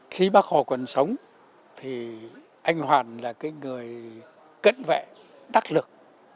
khi bác hồ còn sống thì anh hoàng là cái người cận vẹn đắc lực